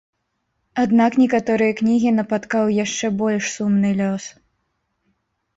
Аднак некаторыя кнігі напаткаў яшчэ больш сумны лёс.